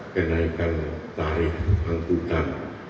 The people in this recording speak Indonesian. kenaikan tarik angkutan